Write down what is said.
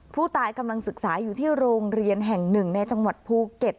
ผู้ตายกำลังศึกษาอยู่ที่โรงเรียนแห่งหนึ่งในจังหวัดภูเก็ต